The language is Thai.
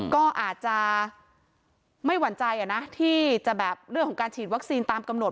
ก็อาจจะไม่หวั่นใจที่จะแบบเรื่องของการฉีดวัคซีนตามกำหนด